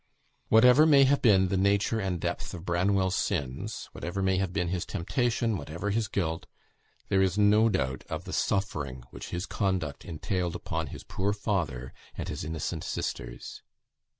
Whatever may have been the nature and depth of Branwell's sins, whatever may have been his temptation, whatever his guilt, there is no doubt of the suffering which his conduct entailed upon his poor father and his innocent sisters.